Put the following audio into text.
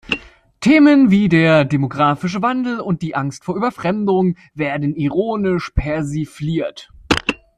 Themen wie der Demographische Wandel und die Angst vor Überfremdung werden ironisch persifliert.